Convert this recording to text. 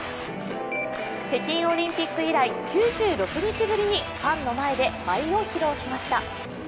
北京オリンピック以来、９６日ぶりにファンの前で舞を披露しました。